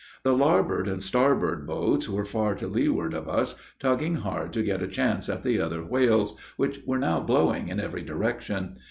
The larboard and starboard boats were far to leeward of us, tugging hard to get a chance at the other whales, which were now blowing in every direction.